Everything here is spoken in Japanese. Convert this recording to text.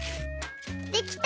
できた！